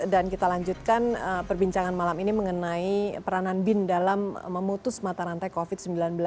dan kita lanjutkan perbincangan malam ini mengenai peranan bin dalam memutus mata rantai covid sembilan belas